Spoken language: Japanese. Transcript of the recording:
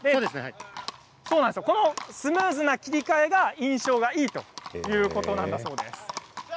スムーズな切り替えが印象がいいということなんです。